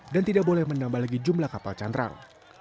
dan tidak boleh menambah lagi jumlah kapal cantrang